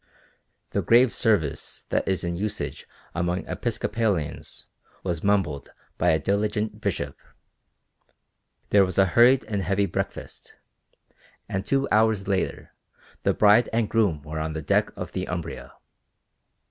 The grave service that is in usage among Episcopalians was mumbled by a diligent bishop, there was a hurried and heavy breakfast, and two hours later the bride and groom were on the deck of the "Umbria."